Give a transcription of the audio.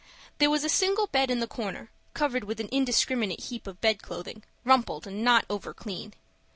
There was a single bed in the corner, covered with an indiscriminate heap of bed clothing, rumpled and not over clean.